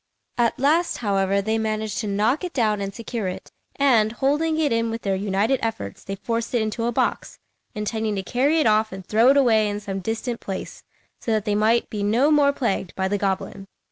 At last, however, they managed to knock it down and secure it; and, holding it in with their united efforts, they forced it into a box, intending to carry it off and throw it away in some distant place, so that they might be no more plagued by the goblin.